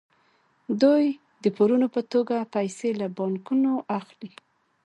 دوی د پورونو په توګه پیسې له بانکونو اخلي